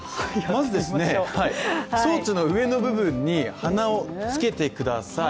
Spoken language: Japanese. まず装置の上の部分に、鼻をつけてください。